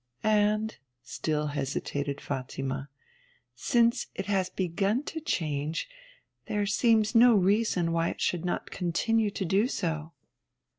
'And,' still hesitated Fatima, 'since it has begun to change, there seems no reason why it should not continue to do so.'